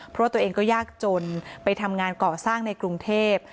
เพราะตัวเองก็ยากจนไปทำงานก่อสร้างในกรุงเทพ